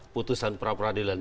putusan pra peradilan yang kemarin